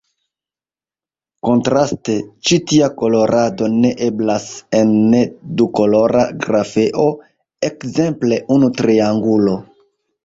Kontraste, ĉi tia kolorado ne eblas en ne-dukolora grafeo, ekzemple unu triangulo.